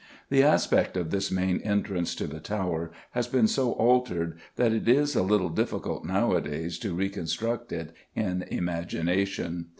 The aspect of this main entrance to the Tower has been so altered that it is a little difficult nowadays to reconstruct it in imagination.